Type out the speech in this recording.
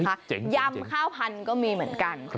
ยำข้าวพันธุ์ก็มีเหมือนกัน